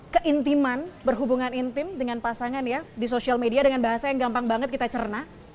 keintiman berhubungan intim dengan pasangan ya di sosial media dengan bahasa yang gampang banget kita cerna